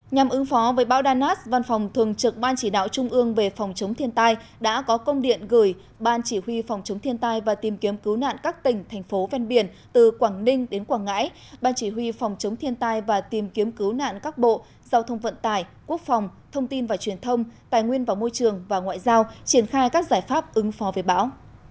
nhằm ứng phó với báo danas văn phòng thường trực ban chỉ đạo trung ương về phòng chống thiên tai đã có công điện gửi ban chỉ huy phòng chống thiên tai và tìm kiếm cứu nạn các tỉnh thành phố ven biển từ quảng ninh đến quảng ngãi ban chỉ huy phòng chống thiên tai và tìm kiếm cứu nạn các bộ giao thông vận tài quốc phòng thông tin và truyền thông tài nguyên và môi trường và ngoại giao triển khai các giải pháp ứng phó với báo